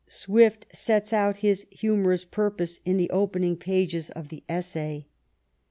Swift sets out his humorous purpose in the opening pages of the essay.